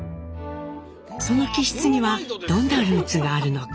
その気質にはどんなルーツがあるのか？